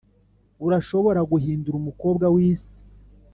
urashobora guhindura umukobwa wisi.